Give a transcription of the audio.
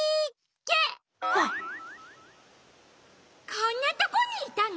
こんなとこにいたの？